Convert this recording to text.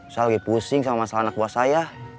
saya lagi pusing sama masalah anak buah saya